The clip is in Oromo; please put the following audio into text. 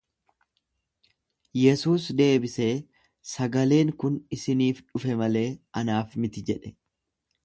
Yesuus deebisee, Sagaleen kun isiniif dhufe malee anaaf miti jedhe.